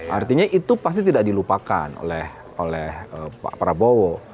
artinya itu pasti tidak dilupakan oleh pak prabowo